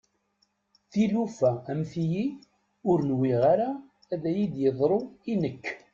Tilufa am tiyi ur nwiɣ ara ad iyi-d-teḍru i nekk.